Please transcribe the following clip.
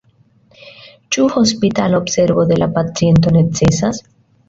Ĉu hospitala observo de la paciento necesas?